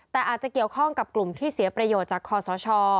แต่อาจจะเกี่ยวข้องกับกลุ่มที่เสียประโยชน์จากคอสช